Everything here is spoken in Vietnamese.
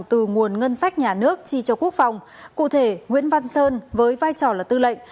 từ nguồn ngân sách nhà nước chi cho quốc phòng cụ thể nguyễn văn sơn với vai trò là tư lệnh